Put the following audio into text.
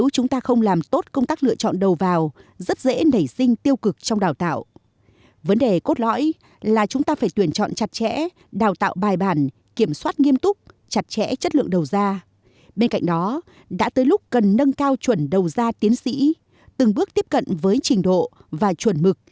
cần nâng cao chuẩn đầu gia tiến sĩ từng bước tiếp cận với trình độ và chuẩn mực